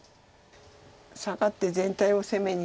サガって全体を攻めに。